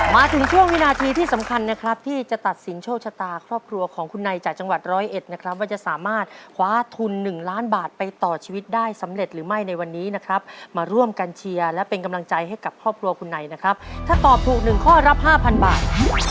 มาถึงช่วงวินาทีที่สำคัญนะครับที่จะตัดสินโชคชะตาครอบครัวของคุณในจากจังหวัดร้อยเอ็ดนะครับว่าจะสามารถคว้าทุนหนึ่งล้านบาทไปต่อชีวิตได้สำเร็จหรือไม่ในวันนี้นะครับมาร่วมกันเชียร์และเป็นกำลังใจให้กับครอบครัวคุณในนะครับถ้าตอบถูกหนึ่งข้อรับห้าพันบาท